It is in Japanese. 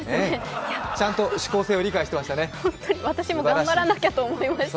ちゃんと指向性を理解していましたね。